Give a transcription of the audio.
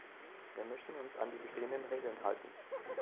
Wir möchten uns an die bestehenden Regeln halten.